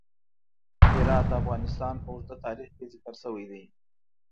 هرات د افغانستان په اوږده تاریخ کې ذکر شوی دی.